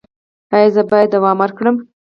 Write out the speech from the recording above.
ایا زه باید دوام ورکړم؟